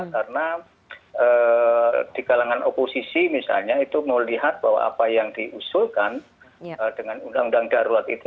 karena di kalangan oposisi misalnya itu melihat bahwa apa yang diusulkan dengan undang undang darurat itu